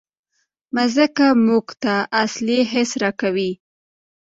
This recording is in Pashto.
مځکه موږ ته اصلي حس راکوي.